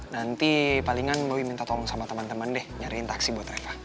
nanti palingan boy minta tolong sama temen temen deh nyariin taksi buat reva